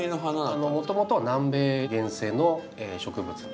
もともとは南米原生の植物。